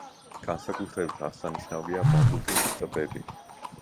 განსაკუთრებით აღსანიშნავია ბადუკის ტბები.